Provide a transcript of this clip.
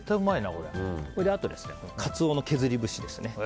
あとカツオの削り節ですね。